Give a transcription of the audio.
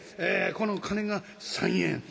この金が３円。